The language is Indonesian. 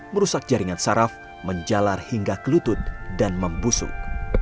merusak jaringan saraf menjalar hingga ke lutut dan membusuk